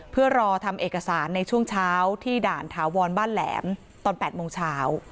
เพื่อรอทำเอกสารในช่วงเช้าที่ด่านถาวรบ้านแหลมตอน๘โมงเช้า